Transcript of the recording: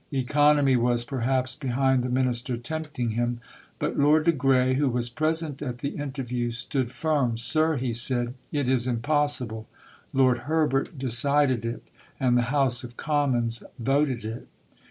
Economy was, perhaps, behind the Minister tempting him. But Lord de Grey, who was present at the interview, stood firm. "Sir," he said, "it is impossible. Lord Herbert decided it, and the House of Commons voted it."